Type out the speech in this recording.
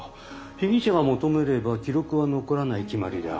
被疑者が求めれば記録は残らない決まりだ。